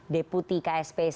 deputi ksp saya